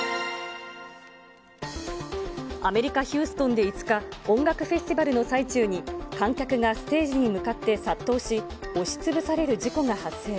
アメリカ・ヒューストンで５日、音楽フェスティバルの最中に、観客がステージに向かって殺到し、押しつぶされる事故が発生。